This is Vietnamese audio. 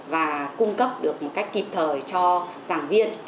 và cung cấp được một cách kịp thời cho giảng viên